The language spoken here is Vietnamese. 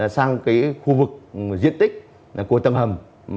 sang cái khu vực diện tích của tầng hầm